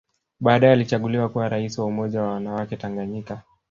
Baadae alichaguliwa kuwa Rais wa Umoja wa wanawake Tanganyika